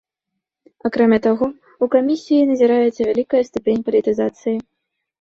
Акрамя таго, у камісіі назіраецца вялікая ступень палітызацыі.